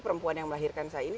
perempuan yang melahirkan saya ini